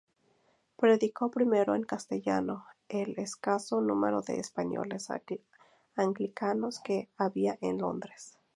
Predicó primero en castellano al escaso número de españoles anglicanos que había en Londres.